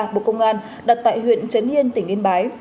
bộ công an đặt tại huyện trấn yên tỉnh yên bái